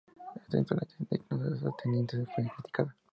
Esta insolencia indignó a los atenienses y fue criticada.